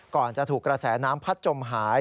ก่อนจะถูกกระแสน้ำพัดจมหาย